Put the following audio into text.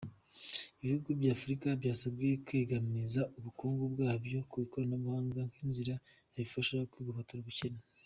Ibihugu by’Afurika byasabwe kwegamiza ubukungu bwabyo ku ikoranabuhanga nk’inzira yabifasha kwigobotora ubukene.